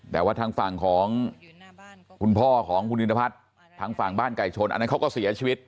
แต่ว่าทางฝั่งของคุณพ่อของคุณอินทพัฒน์ทางฝั่งบ้านไก่ชนอันนั้นเขาก็เสียชีวิต